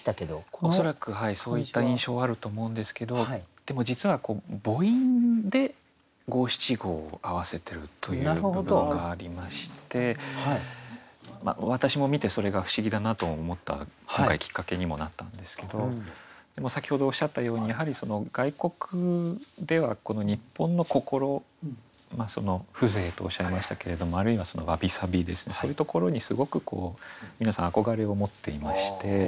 恐らくそういった印象あると思うんですけどでも実は母音で五七五を合わせてるという部分がありまして私も見てそれが不思議だなと思った今回きっかけにもなったんですけど先ほどおっしゃったようにやはり外国ではこの日本の心風情とおっしゃいましたけれどもあるいはそのわびさびですねそういうところにすごく皆さん憧れを持っていまして。